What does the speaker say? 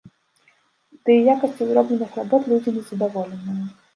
Ды і якасцю зробленых работ людзі не задаволеныя.